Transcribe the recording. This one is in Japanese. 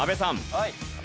はい。